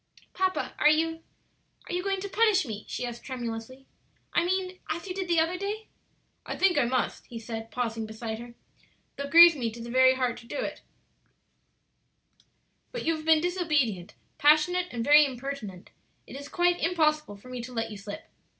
"Papa, are you are you going to punish me?" she asked, tremulously. "I mean as you did the other day?" "I think I must," he said, pausing beside her, "though it grieves me to the very heart to do it; but you have been disobedient, passionate, and very impertinent; it is quite impossible for me to let you slip.